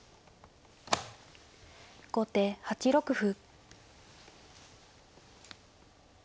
後手８六歩。